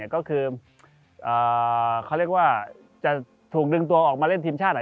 ก็คือเขาเรียกว่าจะถูกดึงตัวออกมาเล่นทีมชาติไหน